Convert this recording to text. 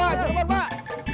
pak cirebon pak